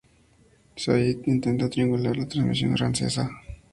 Sayid intenta triangular la transmisión francesa.